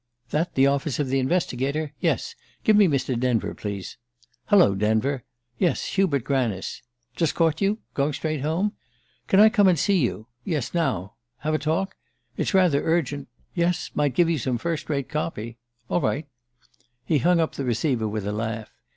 "That the office of the Investigator? Yes? Give me Mr. Denver, please... Hallo, Denver... Yes, Hubert Granice. ... Just caught you? Going straight home? Can I come and see you ... yes, now ... have a talk? It's rather urgent ... yes, might give you some first rate 'copy.' ... All right!" He hung up the receiver with a laugh.